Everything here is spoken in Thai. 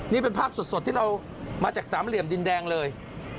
นี่เป็นภาพสดที่เรามาจากสามเหลี่ยมดินแดงเลย